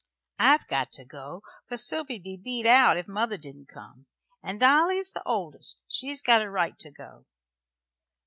I've got to go, for Sylvy'd be beat out if mother didn't come. And Dolly's the oldest. She's got a right to go."